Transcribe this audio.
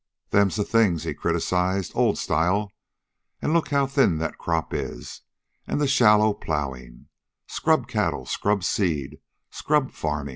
"Them's the things," he criticized. "Old style. An' look how thin that crop is, an' the shallow plowin'. Scrub cattle, scrub seed, scrub farmin'.